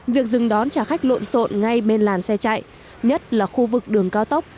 việc dừng đón trả khách lộn xộn ngay bên làn xe chạy nhất là khu vực đường cao tốc